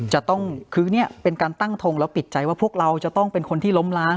จะต้องคือเนี่ยเป็นการตั้งทงแล้วปิดใจว่าพวกเราจะต้องเป็นคนที่ล้มล้าง